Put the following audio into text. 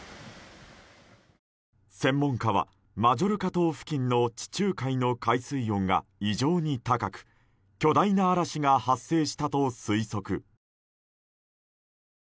専門家はマジョルカ島付近の地中海の海水温が以上に高く巨大な嵐が発生したと推測。